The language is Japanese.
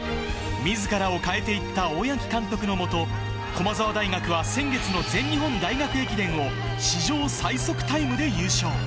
みずからを変えていった大八木監督の下、駒澤大学は先月の全日本大学駅伝を史上最速タイムで優勝。